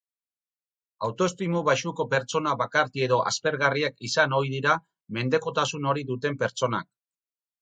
Autoestimu baxuko pertsona bakarti edo aspergarriak izan ohi dira mendekotasun hori duten pertsonak.